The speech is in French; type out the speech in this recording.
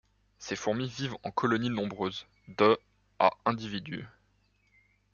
Ces fourmis vivent en colonies nombreuses, de à individus.